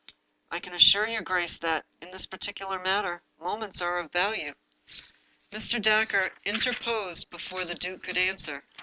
I can assure your grace that, in this par ticular matter, moments are of value." 286 The Lost Duchess Mr. Dacre interposed before the duke could answer.